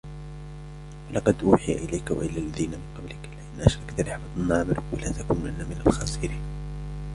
ولقد أوحي إليك وإلى الذين من قبلك لئن أشركت ليحبطن عملك ولتكونن من الخاسرين